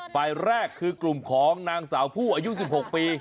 ฝ่ายแรกคือกลุ่มของนางสาวผู้อายุ๑๖ปี